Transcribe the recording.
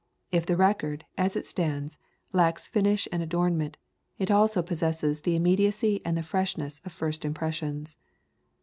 If the record, as it stands, lacks finish and adornment, it also possesses the immediacy and the freshness of first impressions.